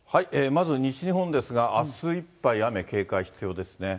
まず西日本ですが、あすいっぱい雨、警戒必要ですね。